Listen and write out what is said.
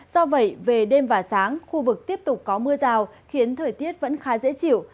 do vậy về đêm và sáng khu vực tiếp tục có mưa rào khiến thời tiết vẫn khá dễ chịu